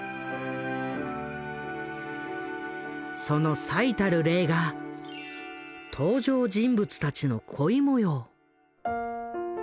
その最たる例が登場人物たちの恋もよう。